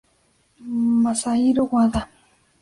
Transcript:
Masahiro Wada